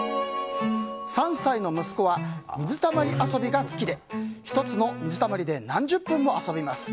３歳の息子は水たまり遊びが好きで１つの水たまりで何十分も遊びます。